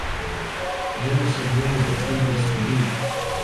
جَلَسَ الْوَلَدُ كَيْ يَسْتَرِيحَ.